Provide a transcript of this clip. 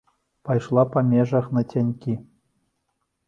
Пайшла па межах нацянькі.